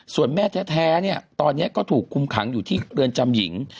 ส่วนแม่แท้ตอนนี้ก็ถูกคุมขังอยู่ที่เรือนจำหญิง